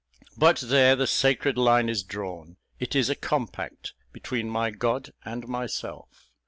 But there the sacred line is drawn; it is a compact between my God and myself.